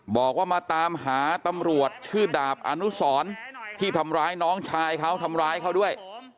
บอกว่ามาตามหาตำรวจชื่อดาบอนุสรที่ทำร้ายน้องชายเขาทำร้ายเขาด้วย